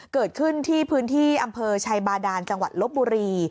เกิดขึ้นที่พื้นที่อำเภอชัยบาดานจังหวัดลบบุรี